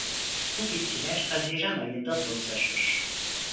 Bu bitkiler haziran ayında tozlaşır.